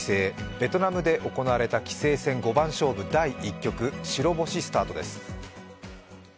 ベトナムで行われた棋聖戦五番勝負第１局、白星スタートです。